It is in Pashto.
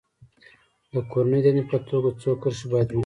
د کورنۍ دندې په توګه څو کرښې باید ولیکي.